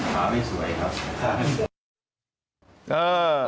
มาไม่สวยครับ